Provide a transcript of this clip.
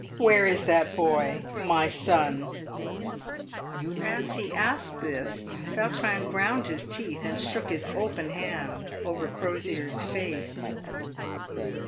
Where is that boy — my son ?" As he asked this, Yautrin ground his teeth and shook his open hands over Crosier' s face.